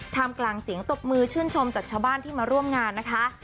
ทำกลางเสียงตบมือชื่นชมจากชาวบ้านที่มาร่วมงานนะคะ